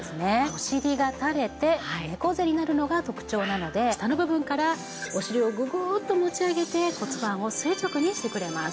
お尻がたれて猫背になるのが特徴なので下の部分からお尻をググッと持ち上げて骨盤を垂直にしてくれます。